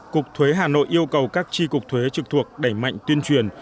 cục thuế hà nội yêu cầu các tri cục thuế trực thuộc đẩy mạnh tuyên truyền